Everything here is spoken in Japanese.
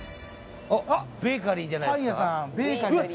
あっベーカリーじゃないですかあっ